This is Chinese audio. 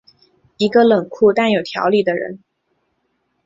一个冷酷但有条理的人。